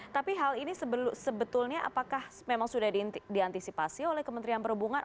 tapi hal ini sebetulnya apakah memang sudah diantisipasi oleh kementerian perhubungan